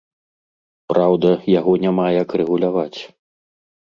Праўда, яго няма як рэгуляваць.